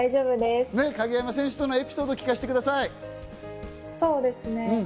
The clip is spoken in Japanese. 鍵山選手とのエピソードを聞かせてください。